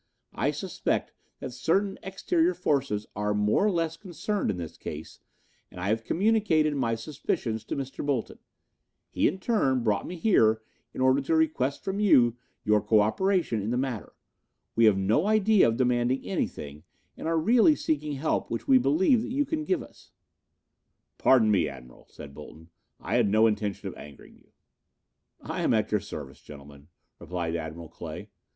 I suspect that certain exterior forces are more or less concerned in this case and I have communicated my suspicions to Mr. Bolton. He in turn brought me here in order to request from you your cooperation in the matter. We have no idea of demanding anything and are really seeking help which we believe that you can give us." "Pardon me, Admiral," said Bolton. "I had no intention of angering you." "I am at your service, gentlemen," replied Admiral Clay.